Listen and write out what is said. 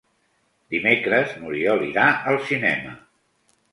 Dimecres n'Oriol irà al cinema.